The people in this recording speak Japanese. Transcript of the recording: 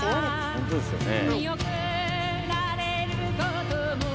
本当ですよね。